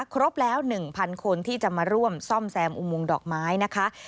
ครบแล้ว๑๐๐คนที่จะมาร่วมซ่อมแซมอุโมงดอกไม้นะคะ